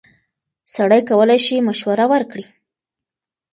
سړی کولی شي مشوره ورکړي.